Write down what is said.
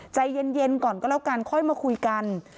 ใจเย็นก่อนก็แล้วกันค่อยมาคุยกัน